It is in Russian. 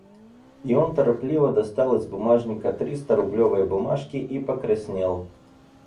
И он торопливо достал из бумажника три сторублевые бумажки и покраснел.